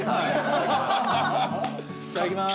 いただきます。